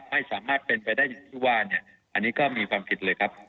ไม่สามารถเป็นไปได้อย่างที่ว่าเนี่ยอันนี้ก็มีความผิดเลยครับ